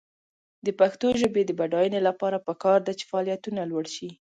د پښتو ژبې د بډاینې لپاره پکار ده چې فعالیتونه لوړ شي.